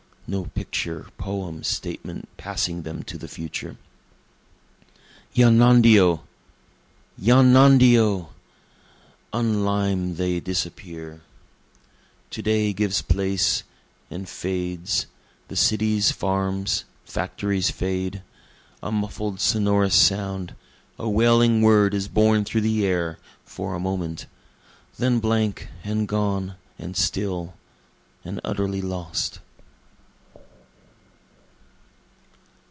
No picture, poem, statement, passing them to the future:) Yonnondio! Yonnondio! unlimn'd they disappear; To day gives place, and fades the cities, farms, factories fade; A muffled sonorous sound, a wailing word is borne through the air for a moment, Then blank and gone and still, and utterly lost.